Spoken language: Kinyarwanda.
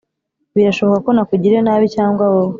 birashoboka ko nakugiriye nabi cyangwa wowe